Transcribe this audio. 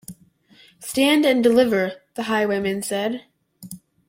Stand and deliver, the highwayman said.